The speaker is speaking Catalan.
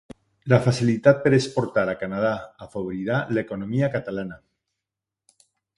La facilitat per exportar a Canada afavorirà l'economia catalana